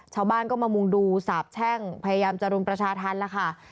ชาวบ้านก็มามุ่งดูสาบแช่งแยกต่อการเจริญประชาธรรมน์